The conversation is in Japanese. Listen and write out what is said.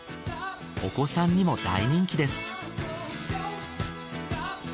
お子さんにも大人気です。